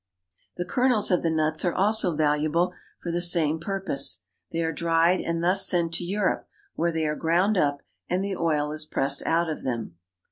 The kernels of the nuts are also valuable for the same purpose. They are dried and thus sent to Europe, where they are ground up, and the oil is pressed out of them.